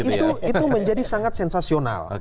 dan itu menjadi sangat sensasional